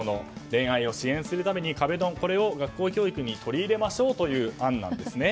恋愛を支援するために壁ドンを学校教育に取り入れましょうという案です。